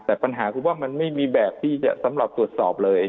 แต่ปัญหาคือว่ามันไม่มีแบบที่จะสำหรับตรวจสอบเลย